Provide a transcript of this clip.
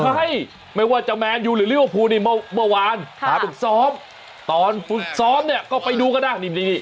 ใครไม่ว่าจะแมนยูหรือลิวภูนิเมื่อวานตอนฝึกซ้อมเนี่ยก็ไปดูก็ได้